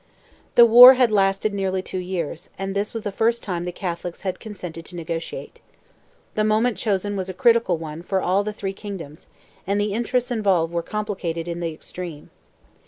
The war had lasted nearly two years, and this was the first time the Catholics had consented to negotiate. The moment chosen was a critical one for all the three Kingdoms, and the interests involved were complicated in the extreme.